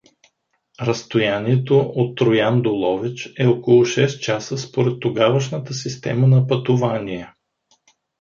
Разстоянието от Троян до Ловеч е около шест часа според тогавашната система на пътувание.